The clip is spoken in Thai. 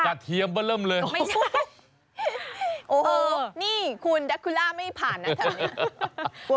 กระเทียมปะเริ่มเลยไม่ใช่โอ้โหนี่คุณดัคคูล่าไม่ผ่านนะ